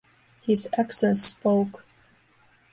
His actions spoke.